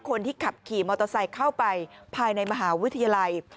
คนที่ขับขี่มอเตอร์ไซค์เข้าไปภายในมหาวิทยาลัย